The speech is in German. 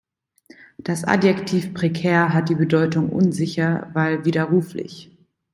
Das Adjektiv prekär hat die Bedeutung "unsicher, weil widerruflich".